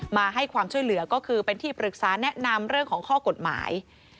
มาให้ความช่วยเหลือก็คือเป็นที่ปรึกษาแนะนำเรื่องของข้อกฎหมาย